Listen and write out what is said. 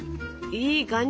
いい感じ。